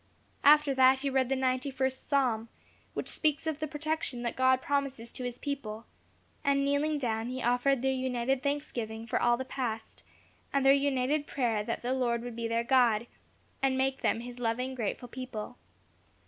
After that, he read the ninety first Psalm, which speaks of the protection that God promises to His people, and kneeling down, he offered their united thanksgiving for all the past, and their united prayer that the Lord would be their God, and make them His loving, grateful people.